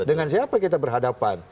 dengan siapa kita berhadapan